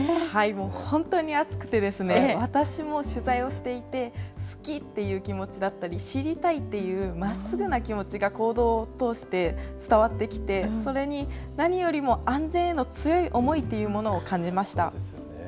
本当に熱くて、私も取材をしていて、好きっていう気持ちだったり、知りたいっていうまっすぐな気持ちが行動を通して伝わってきて、それに何よりも、安全への強い思いというものを感じました。